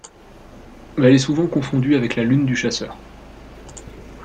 Elle est souvent confondue avec la Lune du chasseur.